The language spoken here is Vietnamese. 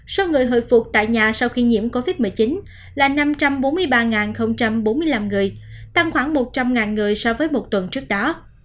số người hồi phục tại nhà sau khi nhiễm covid một mươi chín là năm trăm bốn mươi ba bốn mươi năm người tăng khoảng một trăm linh người so với một tuần trước đó